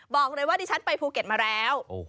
บอกเลยว่าดิฉันไปภูเก็ตมาแล้ว